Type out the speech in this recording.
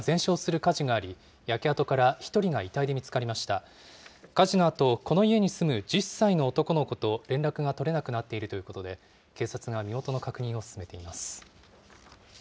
火事のあと、この家に住む１０歳の男の子と連絡が取れなくなっているということで、警察が身元の確認を進めています。